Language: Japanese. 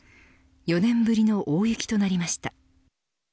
４年ぶりの大雪となりました。